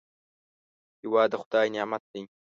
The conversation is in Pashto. هېواد د خدای نعمت دی